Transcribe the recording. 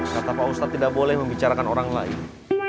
kata pak ustadz tidak boleh membicarakan orang lain